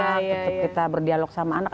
tetap kita berdialog sama anak